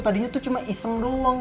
tadinya tuh cuma iseng doang